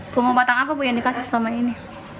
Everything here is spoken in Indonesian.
pengobatan apa yang dikasih selama ini